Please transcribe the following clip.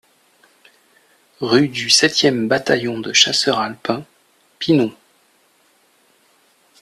Rue du sept e Bataillon de Chasseurs Alpins, Pinon